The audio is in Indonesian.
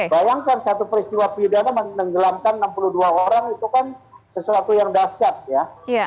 bayangkan satu peristiwa pidana menenggelamkan enam puluh dua orang itu kan sesuatu yang dahsyat ya